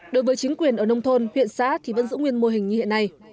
đối với chính quyền ở nông thôn huyện xã thì vẫn giữ nguyên mô hình như hiện nay